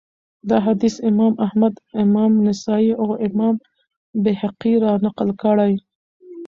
دا حديث امام احمد امام نسائي، او امام بيهقي را نقل کړی